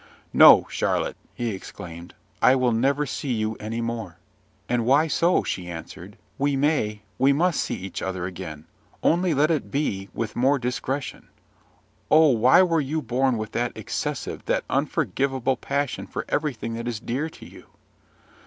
"No, Charlotte!" he exclaimed; "I will never see you any more!" "And why so?" she answered. "We may we must see each other again; only let it be with more discretion. Oh! why were you born with that excessive, that ungovernable passion for everything that is dear to you?"